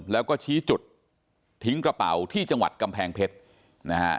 แล้วก็ชี้จุดทิ้งกระเป๋าที่จังหวัดกำแพงเพชรนะฮะ